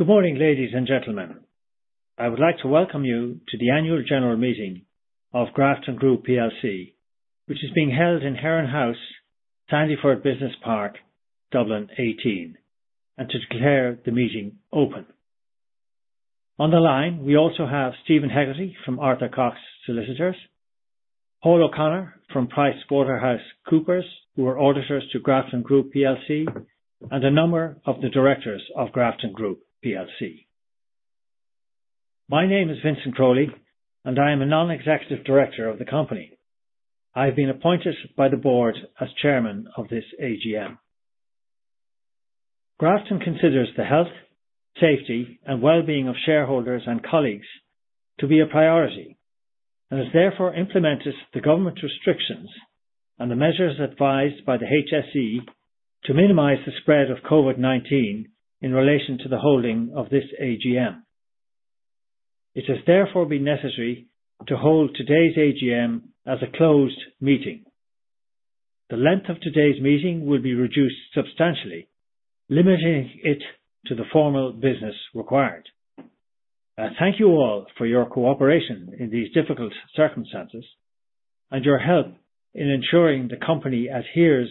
Good morning, ladies and gentlemen. I would like to welcome you to the Annual General Meeting of Grafton Group plc, which is being held in Heron House, Sandyford Business Park, Dublin 18, and to declare the meeting open. On the line, we also have Stephen Hegarty from Arthur Cox Solicitors, Paul O'Connor from PricewaterhouseCoopers, who are auditors to Grafton Group plc, and a number of the directors of Grafton Group plc. My name is Vincent Crowley, and I am a Non-Executive Director of the company. I have been appointed by the board as Chairman of this AGM. Grafton considers the health, safety, and wellbeing of shareholders and colleagues to be a priority and has therefore implemented the government restrictions and the measures advised by the HSE to minimize the spread of COVID-19 in relation to the holding of this AGM. It has therefore been necessary to hold today's AGM as a closed meeting. The length of today's meeting will be reduced substantially, limiting it to the formal business required. I thank you all for your cooperation in these difficult circumstances and your help in ensuring the company adheres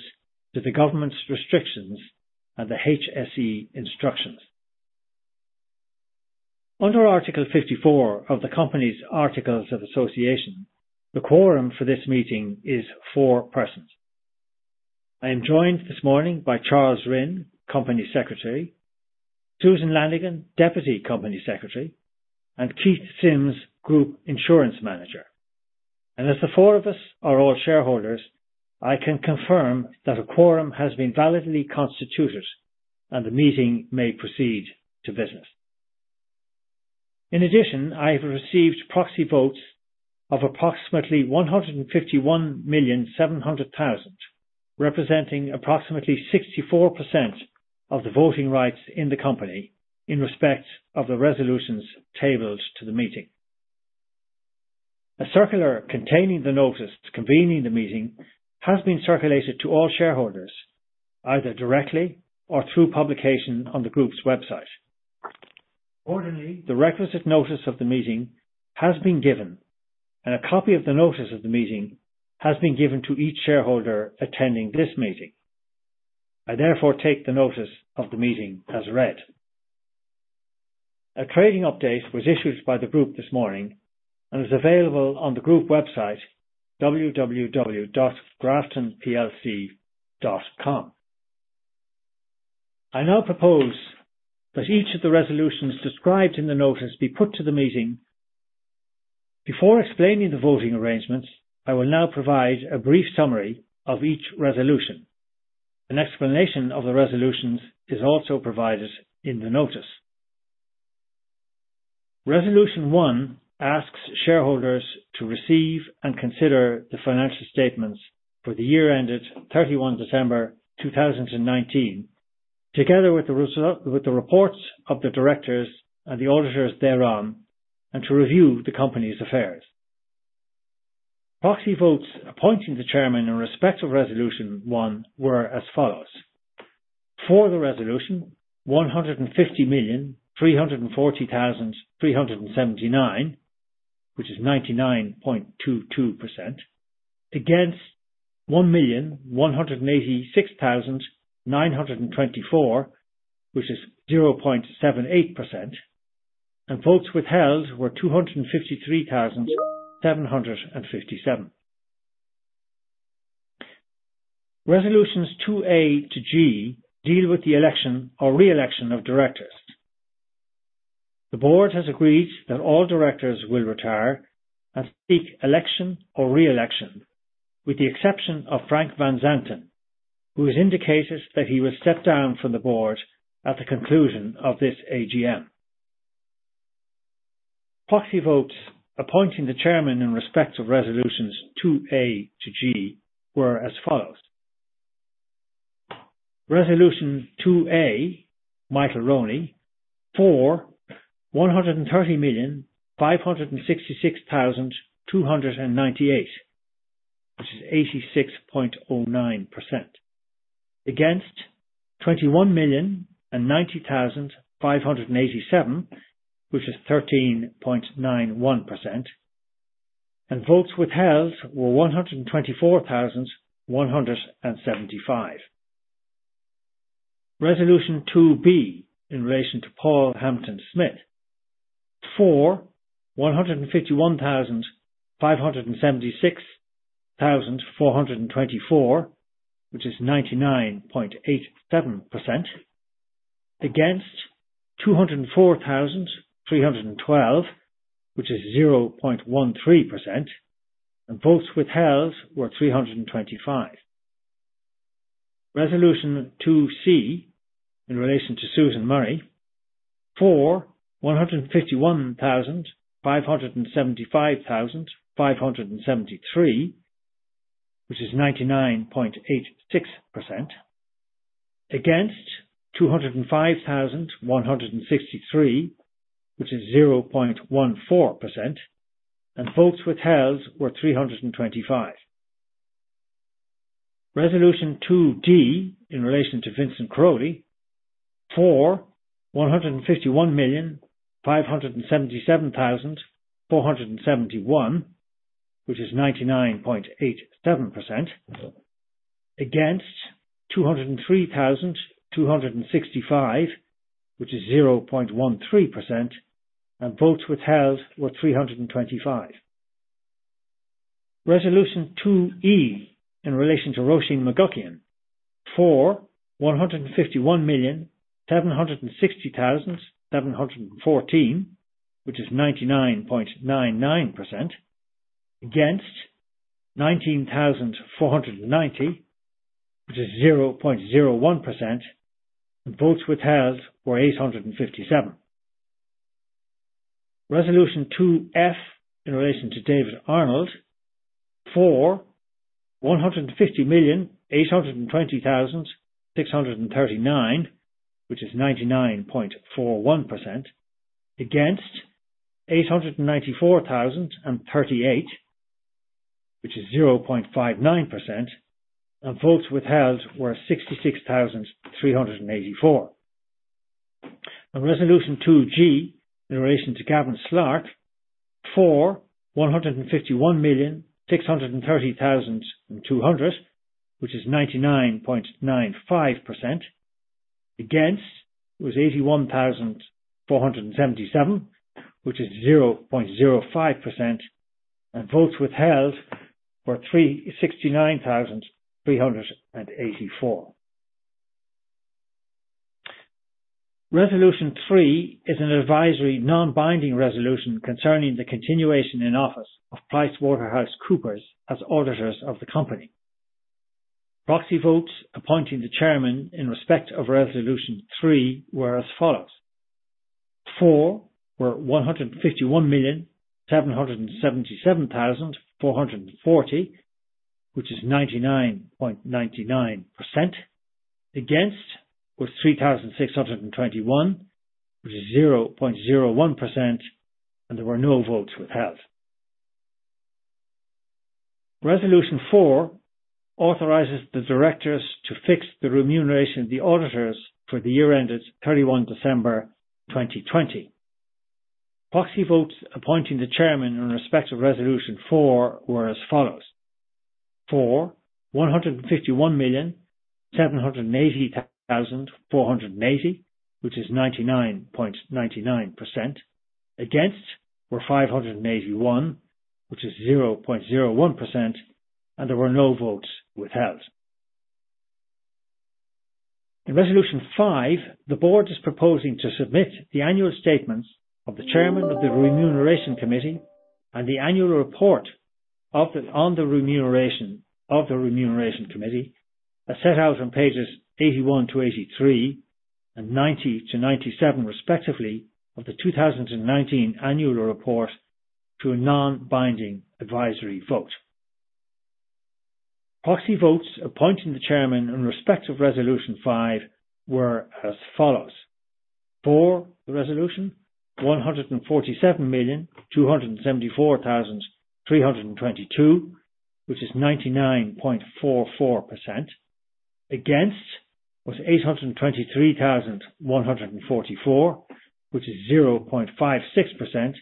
to the government's restrictions and the HSE instructions. Under Article 54 of the company's articles of association, the quorum for this meeting is four persons. I am joined this morning by Charles Rinn, Company Secretary, Susan Lannigan, Deputy Company Secretary, and Keith Sims, Group Insurance Manager, and as the four of us are all shareholders, I can confirm that a quorum has been validly constituted and the meeting may proceed to business. In addition, I have received proxy votes of approximately 151,700,000, representing approximately 64% of the voting rights in the company in respect of the resolutions tabled to the meeting. A circular containing the notice convening the meeting has been circulated to all shareholders, either directly or through publication on the group's website. Accordingly, the requisite notice of the meeting has been given and a copy of the notice of the meeting has been given to each shareholder attending this meeting. I therefore take the notice of the meeting as read. A trading update was issued by the group this morning and is available on the group website, www.graftonplc.com. I now propose that each of the resolutions described in the notice be put to the meeting. Before explaining the voting arrangements, I will now provide a brief summary of each resolution. An explanation of the resolutions is also provided in the notice. Resolution one asks shareholders to receive and consider the financial statements for the year ended 31 December 2019, together with the reports of the directors and the auditors thereon, and to review the company's affairs. Proxy votes appointing the chairman in respect of resolution one were as follows. For the resolution, 150,340,379, which is 99.22%. Against, 1,186,924, which is 0.78%, and votes withheld were 253,757. Resolutions 2-A to G deal with the election or re-election of directors. The board has agreed that all directors will retire and seek election or re-election, with the exception of Frank van Zanten, who has indicated that he will step down from the board at the conclusion of this AGM. Proxy votes appointing the chairman in respect of Resolutions 2-A to G were as follows. Resolution 2-A, Michael Roney. For 130,566,298, which is 86.09%. Against, 21,090,587, which is 13.91%, and votes withheld were 124,175. Resolution 2-B in relation to Paul Hampden-Smith. For 151,576,424, which is 99.87%. Against 204,312, which is 0.13%, and votes withheld were 325. Resolution 2-C in relation to Susan Murray. For 151,575,573, which is 99.86%. Against 205,163, which is 0.14%, and votes withheld were 325. Resolution 2-D in relation to Vincent Crowley, for 151,577,471, which is 99.87%, against 203,265, which is 0.13%, and votes withheld were 325. Resolution 2-E in relation to Rosheen McGuckian, for 151,760,714, which is 99.99%, against 19,490, which is 0.01%, and votes withheld were 857. Resolution 2-F in relation to David Arnold, for 150,820,639, which is 99.41%, against 894,038, which is 0.59%, and votes withheld were 66,384. Resolution 2-G in relation to Gavin Slark, for 151,630,200, which is 99.95%, against was 81,477, which is 0.05%, and votes withheld were 69,384. Resolution three is an advisory non-binding resolution concerning the continuation in office of PricewaterhouseCoopers as auditors of the company. Proxy votes appointing the chairman in respect of Resolution three were as follows: for were 151,777,440, which is 99.99%, against was 3,621, which is 0.01%, and there were no votes withheld. Resolution four authorizes the directors to fix the remuneration of the auditors for the year ended 31 December 2020. Proxy votes appointing the chairman in respect of Resolution four were as follows: for, 151,780,480, which is 99.99%, against were 581, which is 0.01%, and there were no votes withheld. In Resolution five, the board is proposing to submit the annual statements of the chairman of the Remuneration Committee and the annual report on the remuneration of the Remuneration Committee, as set out on pages 81-83 and 90-97 respectively, of the 2019 annual report to a non-binding advisory vote. Proxy votes appointing the chairman in respect of Resolution five were as follows: for the resolution, 147,274,322, which is 99.44%, against was 823,144, which is 0.56%,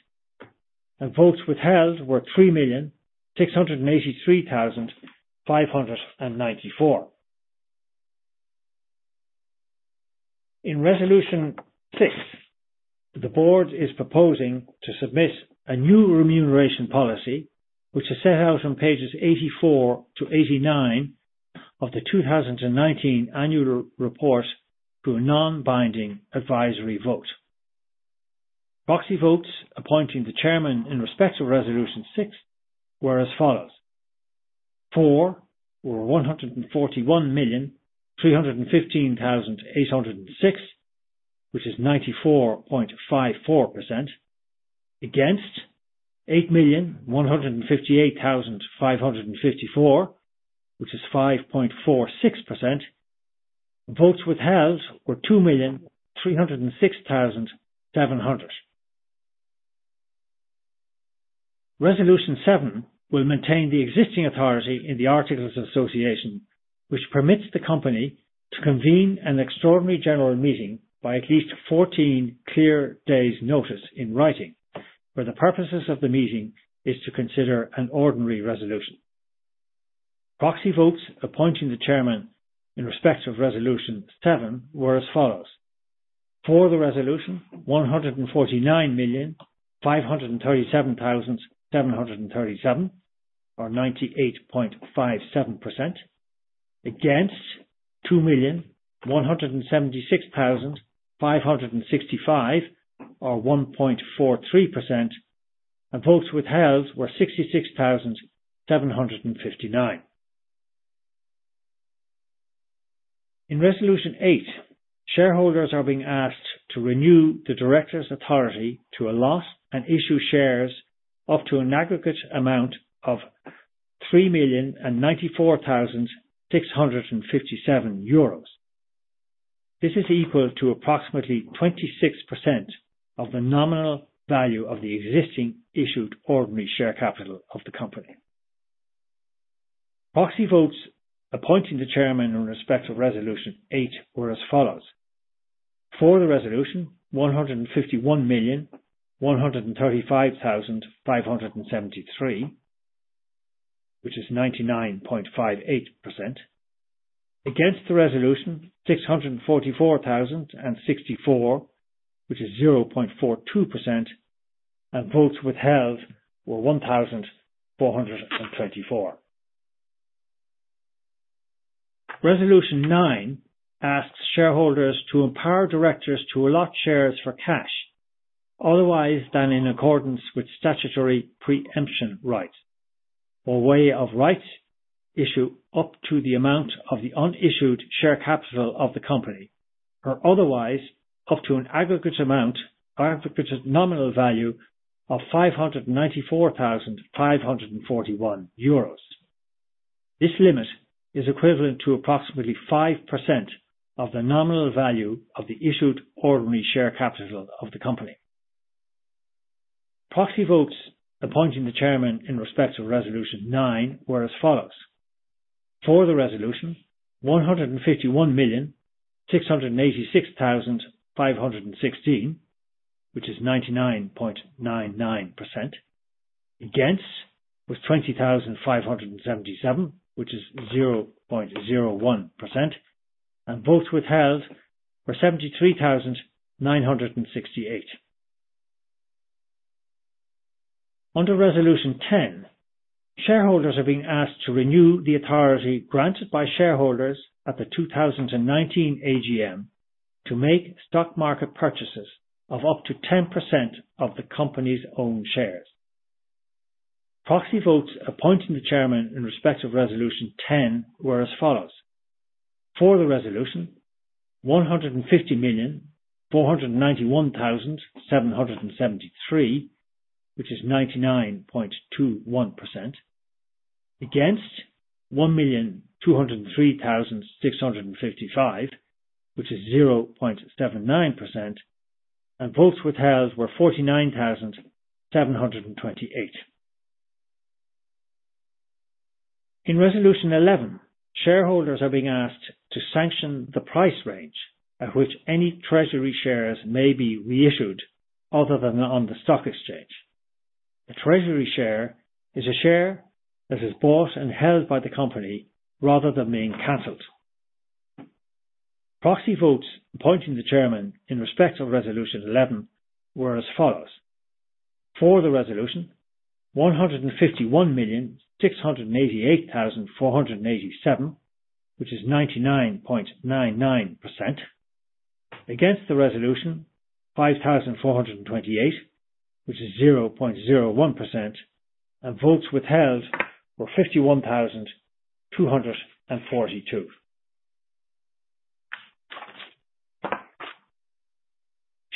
and votes withheld were 3,683,594. In Resolution six, the board is proposing to submit a new remuneration policy, which is set out on pages 84-89 of the 2019 annual report to a non-binding advisory vote. Proxy votes appointing the chairman in respect of Resolution six were as follows: for were 141,315,806, which is 94.54%, against 8,158,554, which is 5.46%, and votes withheld were 2,306,700. Resolution seven will maintain the existing authority in the Articles of Association, which permits the company to convene an extraordinary general meeting by at least 14 clear days' notice in writing, where the purposes of the meeting is to consider an ordinary resolution. Proxy votes appointing the chairman in respect of Resolution seven were as follows: for the resolution, 149,537,737, or 98.57%, against 2,176,565, or 1.43%, and votes withheld were 66,759. In Resolution eight, shareholders are being asked to renew the directors' authority to allot and issue shares up to an aggregate amount of 3,094,657 euros. This is equal to approximately 26% of the nominal value of the existing issued ordinary share capital of the company. Proxy votes appointing the chairman in respect of Resolution eight were as follows: for the resolution, 151,135,573, which is 99.58%, against the resolution, 644,064, which is 0.42%, and votes withheld were 1,424. Resolution Nine asks shareholders to empower directors to allot shares for cash, otherwise than in accordance with statutory pre-emption right, or way of right issue up to the amount of the unissued share capital of the company, or otherwise up to an aggregate amount, aggregate nominal value of 594,541 euros. This limit is equivalent to approximately 5% of the nominal value of the issued ordinary share capital of the company. Proxy votes appointing the chairman in respect of Resolution Nine were as follows: for the resolution, 151,686,516, which is 99.99%, against was 20,577, which is 0.01%, and votes withheld were 73,968. Under Resolution 10, shareholders are being asked to renew the authority granted by shareholders at the 2019 AGM to make stock market purchases of up to 10% of the company's own shares. Proxy votes appointing the chairman in respect of Resolution 10 were as follows: for the resolution, 150,491,773, which is 99.21%, against, 1,203,655, which is 0.79%, and votes withheld were 49,728. In Resolution 11, shareholders are being asked to sanction the price range at which any treasury shares may be reissued other than on the stock exchange. A treasury share is a share that is bought and held by the company rather than being canceled. Proxy votes appointing the chairman in respect of Resolution 11 were as follows: for the resolution, 151,688,487, which is 99.99%, against the resolution, 5,428, which is 0.01%, and votes withheld were 51,242.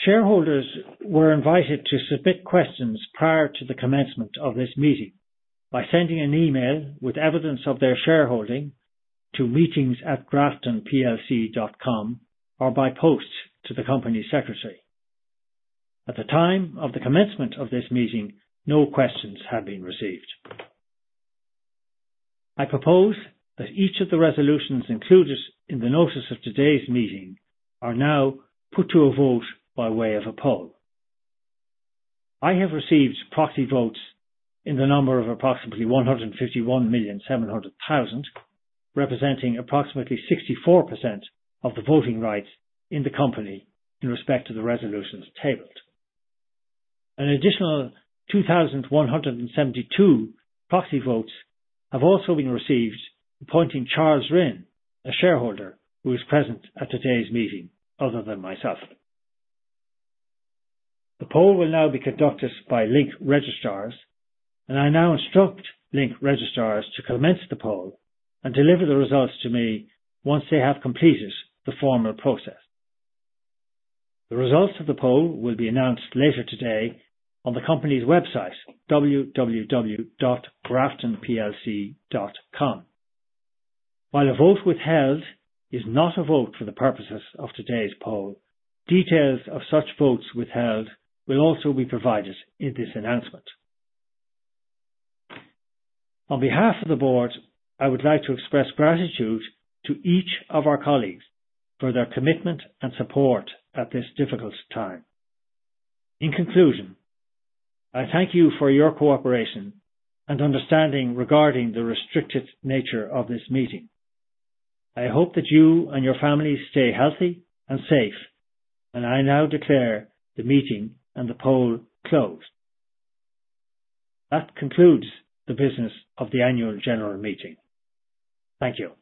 Shareholders were invited to submit questions prior to the commencement of this meeting by sending an email with evidence of their shareholding to meetings@graftonplc.com or by post to the company secretary. At the time of the commencement of this meeting, no questions had been received. I propose that each of the resolutions included in the notice of today's meeting are now put to a vote by way of a poll. I have received proxy votes in the number of approximately 151,700,000, representing approximately 64% of the voting rights in the company in respect to the resolutions tabled. An additional 2,172 proxy votes have also been received appointing Charles Rinn, a shareholder who is present at today's meeting other than myself. The poll will now be conducted by Link Registrars, and I now instruct Link Registrars to commence the poll and deliver the results to me once they have completed the formal process. The results of the poll will be announced later today on the company's website, www.graftonplc.com. While a vote withheld is not a vote for the purposes of today's poll, details of such votes withheld will also be provided in this announcement. On behalf of the board, I would like to express gratitude to each of our colleagues for their commitment and support at this difficult time. In conclusion, I thank you for your cooperation and understanding regarding the restricted nature of this meeting. I hope that you and your families stay healthy and safe, and I now declare the meeting and the poll closed. That concludes the business of the Annual General Meeting. Thank you.